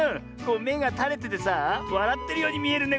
めがたれててさあわらってるようにみえるねこれ。